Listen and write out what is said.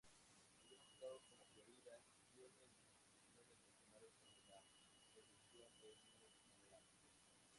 Algunos estados, como Florida, tienen disposiciones adicionales sobre la seducción de niños online.